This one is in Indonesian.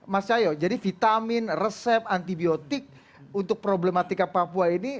mas cahyo jadi vitamin resep antibiotik untuk problematika papua ini